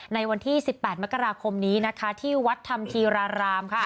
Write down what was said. ในวันที่๑๘มกราคมนี้ที่วัดทำทีราราม